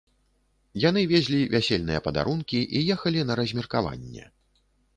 Яны везлі вясельныя падарункі і ехалі на размеркаванне.